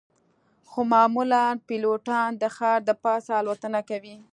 خو معمولاً پیلوټان د ښار د پاسه الوتنه کوي